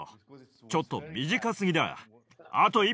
ちょっと短すぎだ。